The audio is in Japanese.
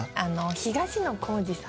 東野幸治さん。